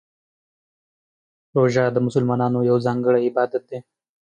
روژه د مسلمانانو یو ځانګړی عبادت دی.